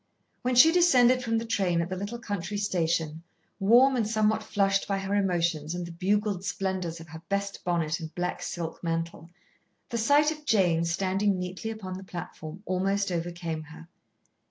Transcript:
When she descended from the train at the little country station, warm and somewhat flushed by her emotions and the bugled splendours of her best bonnet and black silk mantle, the sight of Jane standing neatly upon the platform almost overcame her.